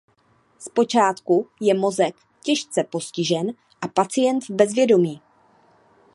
Zpočátku je mozek těžce postižen a pacient v bezvědomí.